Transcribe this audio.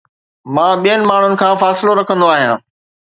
مان ٻين ماڻهن کان فاصلو رکندو آهيان